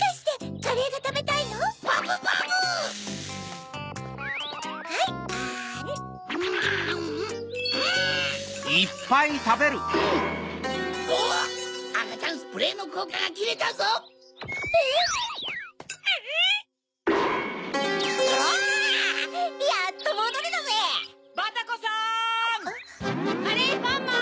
・カレーパンマン！